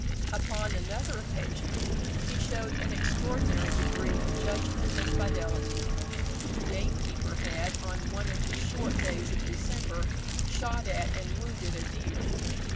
"Upon another occasion he showed an extraordinary degree of judgment and fidelity. The gamekeeper had, on one of the short days of December, shot at and wounded a deer.